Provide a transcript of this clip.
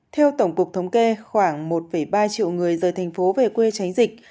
theo tổng cục thống kê khoảng một ba triệu người rời thành phố về quê tránh dịch